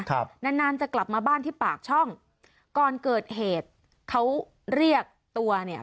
ครับนานนานจะกลับมาบ้านที่ปากช่องก่อนเกิดเหตุเขาเรียกตัวเนี่ย